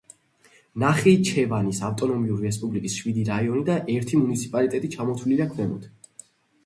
ნახიჩევანის ავტონომიური რესპუბლიკის შვიდი რაიონი და ერთი მუნიციპალიტეტი ჩამოთვლილია ქვემოთ.